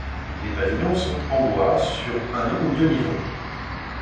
Les pavillons sont en bois, sur un ou deux niveaux.